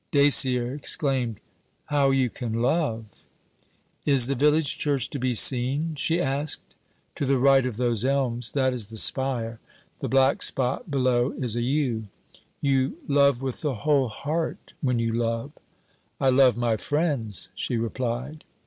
Dacier exclaimed: 'How you can love!' 'Is the village church to be seen?' she asked. 'To the right of those elms; that is the spire. The black spot below is a yew. You love with the whole heart when you love.' 'I love my friends,' she replied.